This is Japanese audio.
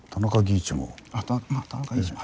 あっ田中義一も？